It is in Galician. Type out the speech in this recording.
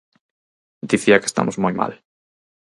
Dicía que estamos moi mal.